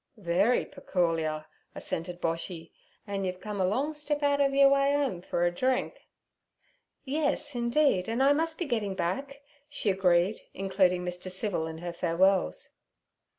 'Very pecoorial' assented Boshy. 'An' you've come a long step out ov yur way 'ome fer a drink.' 'Yes, indeed, and I must be getting back' she agreed, including Mr. Civil in her farewells.